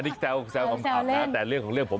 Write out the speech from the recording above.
อันนี้แซวแซวของผมแต่เรื่องของเรื่องผม